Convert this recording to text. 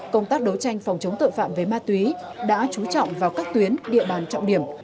công tác đấu tranh phòng chống tội phạm về ma túy đã trú trọng vào các tuyến địa bàn trọng điểm